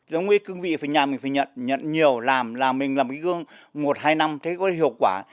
giống như cương vị nhà mình phải nhận nhiều làm mình làm một hai năm thế có hiệu quả